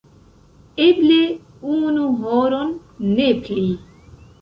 Eble unu horon, ne pli.